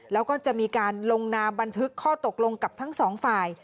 แล้วก็จะมีการลงนามบันทึกข้อตกลงกับทั้งสองฝ่าย